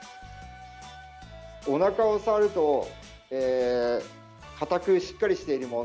おなかを触るとかたくしっかりしているもの。